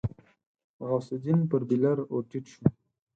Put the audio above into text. غوث الدين پر بېلر ور ټيټ شو.